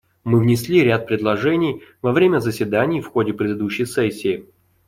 Мы внесли ряд предложений во время заседаний в ходе предыдущей сессии.